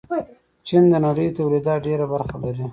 چین د نړۍ تولیداتو ډېره برخه لري.